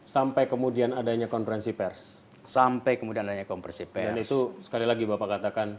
sampai kemudian adanya konferensi pers sampai kemudian adanya konversi pers itu sekali lagi bapak katakan